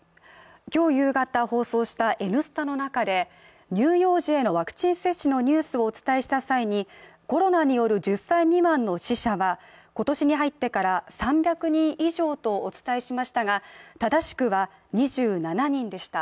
今日夕方放送した「Ｎスタ」の中で乳幼児へのワクチン接種のニュースをお伝えした際にコロナによる１０歳未満の死者は今年に入ってから３００人以上とお伝えしましたが正しくは２７人でした。